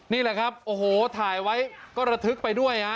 นี่แหละครับโอ้โหถ่ายไว้ก็ระทึกไปด้วยฮะ